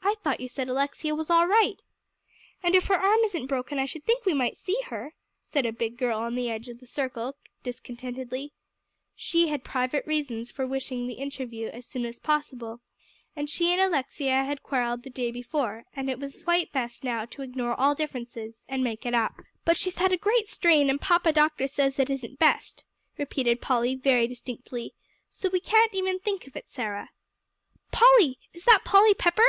"I thought you said Alexia was all right." "And if her arm isn't broken I should think we might see her," said a big girl on the edge of the circle discontentedly. She had private reasons for wishing the interview as soon as possible, as she and Alexia had quarrelled the day before, and now it was quite best to ignore all differences, and make it up. "But she's had a great strain, and Papa Doctor says it isn't best," repeated Polly very distinctly, "so we can't even think of it, Sarah." "Polly? is that Polly Pepper?"